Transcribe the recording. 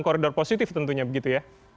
koridor positif tentunya begitu ya